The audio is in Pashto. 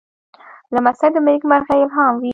لمسی د نېکمرغۍ الهام وي.